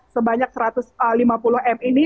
sebanyak satu ratus lima puluh m ini